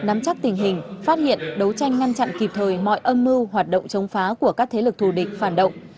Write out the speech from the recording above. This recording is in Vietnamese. âm mưu hoạt động chống phá của các thế lực thù địch phản động